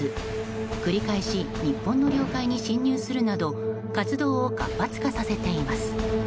繰り返し日本の領海に侵入するなど活動を活発化させています。